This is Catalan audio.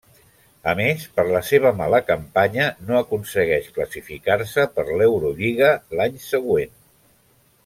A més per la seva mala campanya no aconsegueix classificar-se per l'Eurolliga l'any següent.